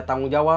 tidak ada apa apa